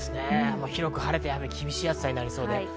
広く晴れて厳しい暑さになりそうです。